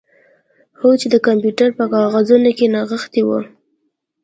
هو چې د کمپیوټر په کاغذونو کې نغښتې وه